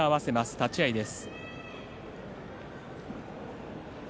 立ち合いです。